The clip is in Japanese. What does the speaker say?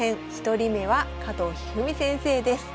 １人目は加藤一二三先生です。